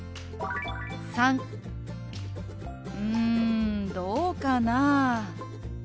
③「うんどうかなぁ？」。